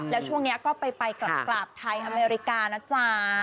แล้วช่วงนี้ก็ไปกลับไทยอเมริกานะจ๊ะ